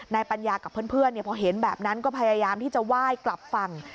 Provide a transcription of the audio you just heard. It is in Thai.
ปัญญากับเพื่อนพอเห็นแบบนั้นก็พยายามที่จะไหว้กลับฝั่ง